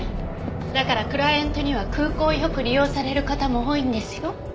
だからクライエントには空港をよく利用される方も多いんですよ。